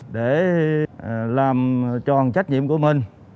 để làm tròn trách nhiệm của mình